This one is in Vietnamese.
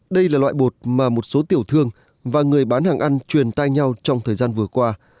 đây là loại bột mà một số tiểu thương và người bán hàng ăn truyền tay nhau trong thời gian vừa qua